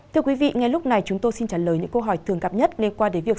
thưa quý vị ngay lúc này chúng tôi xin trả lời những câu hỏi thường gặp nhất liên quan đến việc